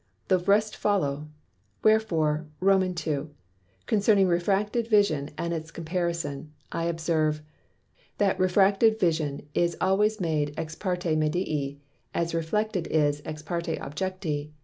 The rest follow. Wherefore, II. Concerning Refracted Vision and its Comparison, I observe, That Refracted Vision is always made Ex parte Medii, as Reflected is ex parte Objecti.